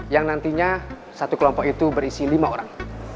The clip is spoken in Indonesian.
yang nantinya satu kelompok itu berisi lima orang